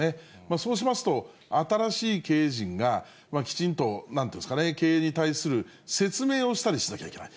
そうしますと、新しい経営陣が、きちんと、なんて言うんですかね、経営に対する説明をしたりしなきゃいけない。